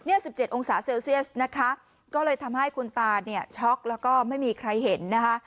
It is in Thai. สิบเจ็ดองศาเซลเซียสนะคะก็เลยทำให้คุณตาเนี่ยช็อกแล้วก็ไม่มีใครเห็นนะคะ